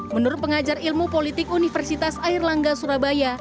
menurut pengajar ilmu politik universitas air langga surabaya